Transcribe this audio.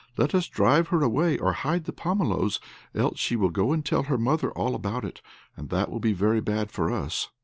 Let us drive her away, or hide the pomeloes, else she will go and tell her mother all about it, and that will be very bad for us."